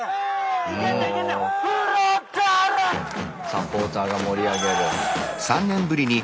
サポーターが盛り上げる。